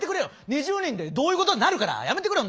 「２０人で」どういうこと？ってなるからやめてくれよ